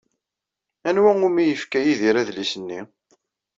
Anwa umi yefka Yidir adlis-nni?